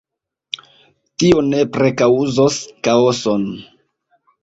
Tio nepre kaŭzos kaoson.